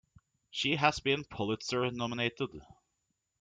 She has been Pulitzer-nominated.